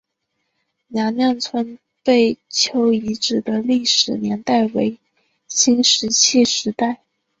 娘娘村贝丘遗址的历史年代为新石器时代。